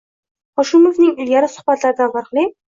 Hoshimovning ilgari suhbatlaridan farqli